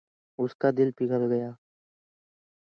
Is air pollution caused by different means of transport?